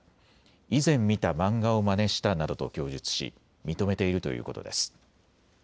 以前見た漫画をまねしたなどと供述し認めているということです。